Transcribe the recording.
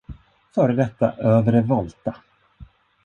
Före detta övre Volta.